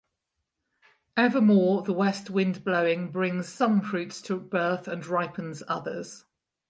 Evermore the west wind blowing brings some fruits to birth and ripens others.